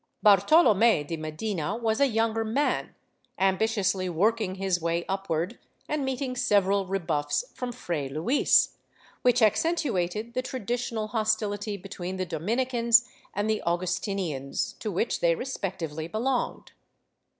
Bartolome de Medina was a younger man, ambitiously working his way upward, and meeting several rebuffs from Fray Luis, which accentuated the traditional hostility between the Dominicans and Augustinians, to which they respectively belonged.